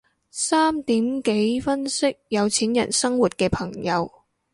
三點幾分析有錢人生活嘅朋友